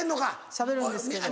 しゃべるんですけど。